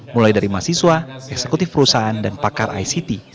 mulai dari mahasiswa eksekutif perusahaan dan pakar ict